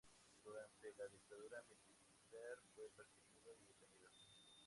Durante la dictadura militar, fue perseguido y detenido.